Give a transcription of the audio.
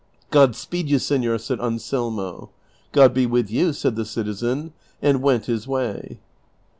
"God speed you, senor," said Anselmo. " God be with you," said the citizen, and went his way.